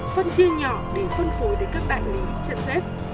phân chia nhỏ để phân phối đến các đại lý trận dết